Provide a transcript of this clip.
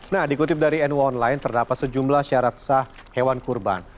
nah dikutip dari nu online terdapat sejumlah syarat sah hewan kurban